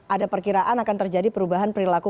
ada perkiraan akan terjadi perubahan perilaku